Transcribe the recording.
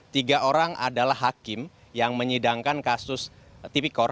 tiga orang adalah hakim yang menyidangkan kasus tipikor